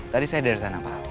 tadi saya dari sana pak